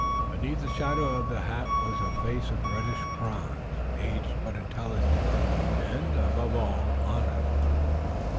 Beneath the shadow of the hat was a face of reddish bronze, aged but intelligent, and, above all, honest.